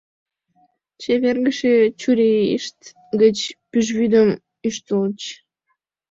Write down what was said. Чевергыше чурийышт гыч пӱжвӱдым ӱштыльыч.